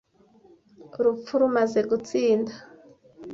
urupfu rumaze gutsinda